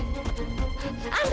kamu aneh deh